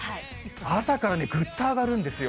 朝からね、ぐっと上がるんですよ。